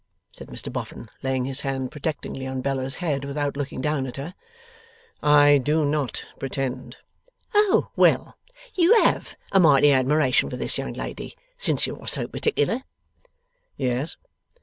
said Mr Boffin, laying his hand protectingly on Bella's head without looking down at her. 'I do not pretend.' 'Oh! Well. You HAVE a mighty admiration for this young lady since you are so particular?' 'Yes.